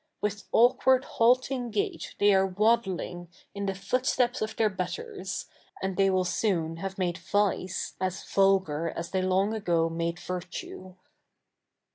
With awkward halting gait they are waddling in the footsteps of their betters, and they will soon have 77iade vice as vulgar as they long ago 7nade virtue.